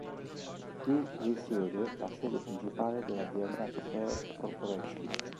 Qui risiede la sede principale dell'azienda Xerox Corporation.